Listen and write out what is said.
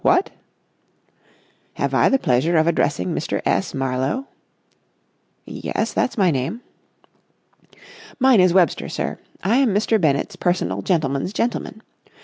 What?" "Have I the pleasure of addressing Mr. S. Marlowe?" "Yes, that's my name." "Mine is Webster, sir. I am Mr. Bennett's personal gentleman's gentleman.